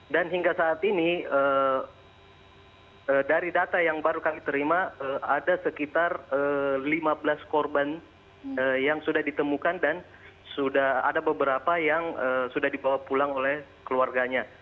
dan hingga saat ini dari data yang baru kami terima ada sekitar lima belas korban yang sudah ditemukan dan ada beberapa yang sudah dibawa pulang oleh keluarga